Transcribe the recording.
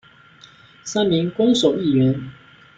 三名官守议员。